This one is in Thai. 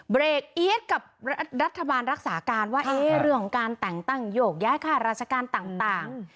เบรกเอี๊ยดกับรัฐบาลรักษาการว่าเรื่องของการแต่งตั้งโยกย้ายค่าราชการต่าง